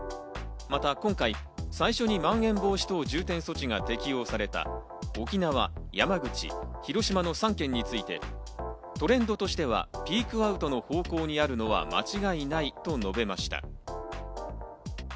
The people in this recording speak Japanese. また今回最初にまん延防止等重点措置が適用された沖縄、山口、広島の３県についてトレンドとしてはピークアウトの方向にあるのは間違いないと述べました。